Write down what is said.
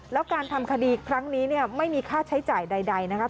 แล้วการทำคดีครั้งนี้เนี่ยไม่มีค่าใช้จ่ายใดนะคะ